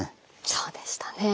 そうでしたね。